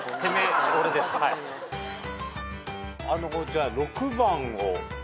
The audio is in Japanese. じゃあ６番を。